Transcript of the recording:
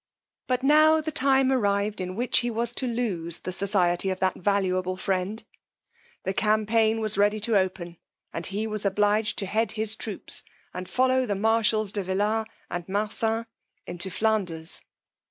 But now the time arrived in which he was to lose the society of that valuable friend; the campaign was ready to open, and he was obliged to head his troops and follow the marshals de Villars and Marsin into Flanders.